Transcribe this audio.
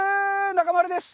中丸です。